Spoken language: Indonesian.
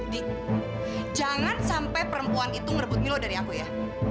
dik jangan sampai perempuan itu ngerebut milo dari aku ya